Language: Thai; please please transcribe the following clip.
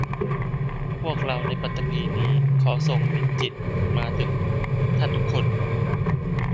พวกเราในปฐพีนี้ขอส่งมิตรจิตมาถึงท่านทุกคน